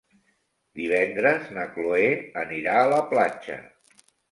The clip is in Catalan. Divendres na Cloè anirà a la platja.